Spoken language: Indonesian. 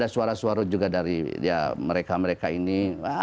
suara suara juga dari mereka mereka ini